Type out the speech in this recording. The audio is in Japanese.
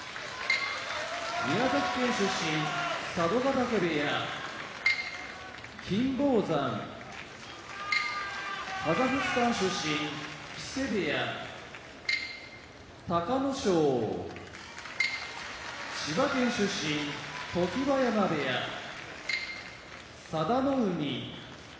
嶽部屋金峰山カザフスタン出身木瀬部屋隆の勝千葉県出身常盤山部屋佐田の海